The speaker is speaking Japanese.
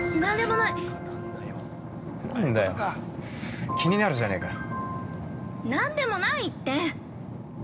◆何だよ、気になるじゃねえかよ。